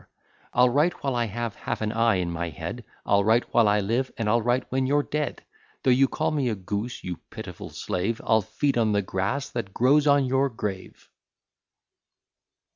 I'll write while I have half an eye in my head; I'll write while I live, and I'll write when you're dead. Though you call me a goose, you pitiful slave, I'll feed on the grass that grows on your grave. [Footnote 1; See post, p. 351. _W. E.